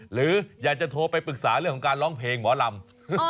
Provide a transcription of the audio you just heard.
หรืออยากจะโทรไปปรึกษาเรื่องของการร้องเพลงหมอลำ